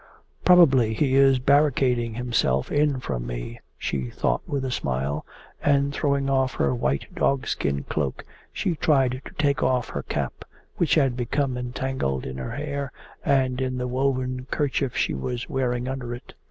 'Probably he is barricading himself in from me!' she thought with a smile, and throwing off her white dogskin cloak she tried to take off her cap, which had become entangled in her hair and in the woven kerchief she was wearing under it.